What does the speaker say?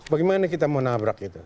bagaimana kita mau nabrak itu